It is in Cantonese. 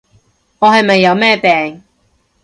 我係咪有咩病？